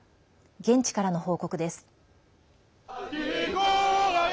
現地からの報告です。